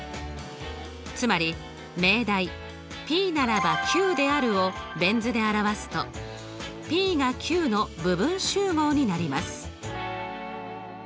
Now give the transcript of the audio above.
つまり命題「ｐならばｑである」をベン図で表すとＰがＱの部分集合になります。